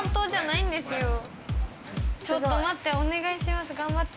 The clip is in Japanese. ちょっと待ってお願いします頑張って。